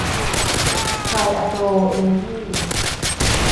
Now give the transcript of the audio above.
ไทย อะโกร เอ็นเนอร์ยี่